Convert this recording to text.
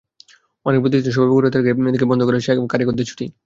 অনেক প্রতিষ্ঠানে শবে বরাতের আগে থেকে বন্ধ করা হয়েছে কারিগরদের ছুটি।